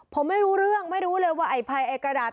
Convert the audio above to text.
ผมไม่รู้เรื่องไม่รู้เลยว่าไอ้ภัยไอ้กระดาษ